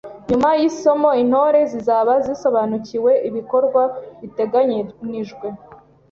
Nyuma y’isomo Intore zizaba zisobanukiwe ibikorwa biteganijwe